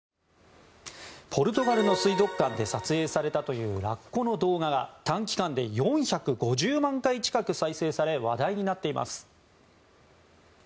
ポルトガルの水族館で撮影されたというラッコの動画が短期間で４５０万近く再生され話題になっています。